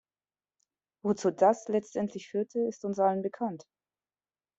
Wozu das letztendlich führte, ist uns allen bekannt.